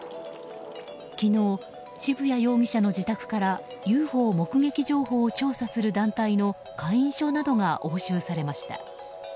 昨日、渋谷容疑者の自宅からＵＦＯ目撃情報を調査する団体の会員証などが押収されました。